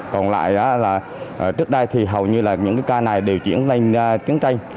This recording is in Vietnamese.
còn lại là trước đây thì hầu như là những cái ca này đều chuyển lên chiến tranh